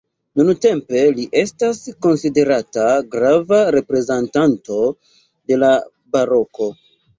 Nuntempe li estas konsiderata grava reprezentanto de la Baroko.